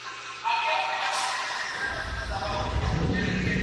تو لوگ اس کی عظمت کے اعتراف میں مضامین لکھتے ہیں۔